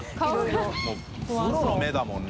もうプロの目だもんな。